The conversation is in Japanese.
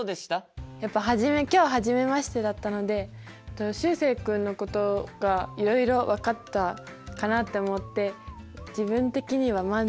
やっぱ今日初めましてだったのでしゅうせい君のことがいろいろ分かったかなって思って自分的には満足できたかなと思います。